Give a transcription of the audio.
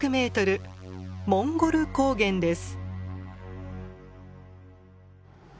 モンゴル高原です。